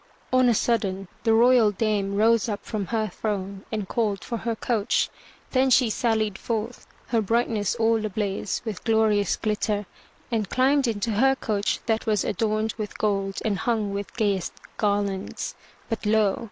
On a sudden the royal dame rose up from her throne and called for her coach. Then she sallied forth, her brightness all ablaze with glorious glitter, and climbed into her coach that was adorned with gold and hung with gayest garlands. But lo!